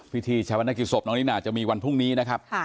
พิธีชาปนกิจศพน้องนิน่าจะมีวันพรุ่งนี้นะครับ